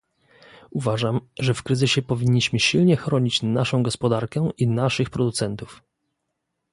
Uważam, że w kryzysie powinniśmy silnie chronić naszą gospodarkę i naszych producentów